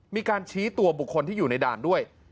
มีการชี้ตัวบุคคลที่อยู่ในด่านด้วย